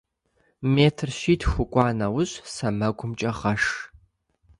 Метр щитху укӏуа нэужь, сэмэгумкӏэ гъэш.